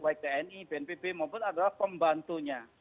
baik tni bnpb maupun adalah pembantunya